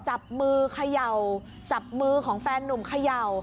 จับมือเขย่าจับมือของแฟนนุ่มเขย่า